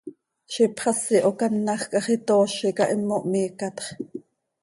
Ziix ipxasi hocanaj quih hax itoozi cah, himo hmiicatx.